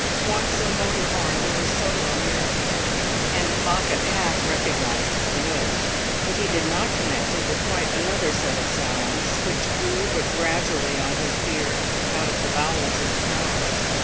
Once a motor horn blew a solo near at hand, and Pocket half recognised its note; but he did not connect it with quite another set of sounds, which grew but gradually on his ear out of the bowels of the house.